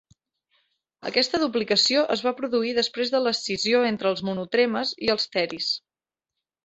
Aquesta duplicació es va produir després de l'escissió entre els monotremes i els teris.